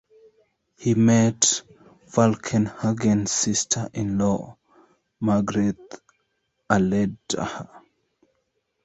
He met Falkenhagen's sister-in-law, Margrethe Arledter.